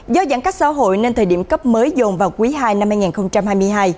do giãn cách xã hội nên thời điểm cấp mới dồn vào quý ii năm hai nghìn hai mươi hai